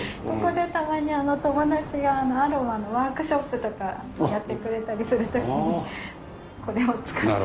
ここでたまに友達がアロマのワークショップとかやってくれたりする時にこれを使って。